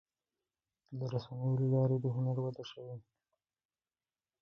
د رسنیو له لارې د هنر وده شوې.